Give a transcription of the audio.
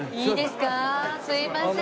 すいません。